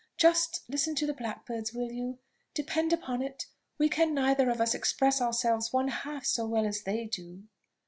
Just listen to the blackbirds, will you? depend upon it we can neither of us express ourselves one half so well as they do."